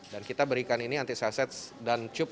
dan kita berikan ini antis hacet dan cup